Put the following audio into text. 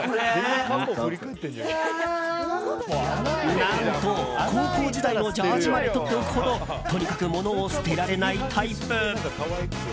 何と高校時代のジャージーまでとっておくほどとにかく物を捨てられないタイプ。